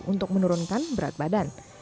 untuk menurunkan berat badan